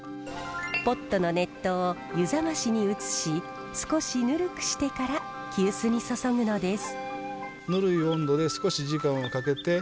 ポットの熱湯を湯冷ましに移し少しぬるくしてから急須に注ぐのです。